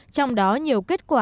trong đó nhiều kết quả